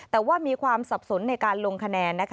แต่ว่ามีความสับสนในการลงคะแนน